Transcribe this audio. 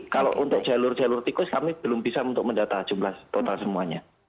kalau untuk jalur jalur tikus kami belum bisa untuk mendata jumlah total semuanya